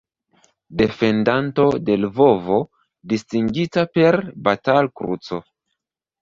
Defendanto de Lvovo, distingita per Batal-Kruco.